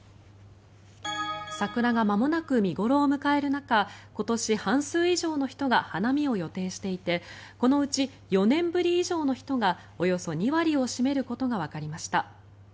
桜がまもなく見頃を迎える中今年、半数以上の人が花見を予定していてこのうち４年ぶり以上の人がおよそ２割を占めることがわかりました。